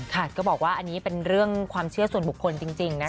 ก็บอกว่าอันนี้เป็นเรื่องความเชื่อส่วนบุคคลจริงนะคะ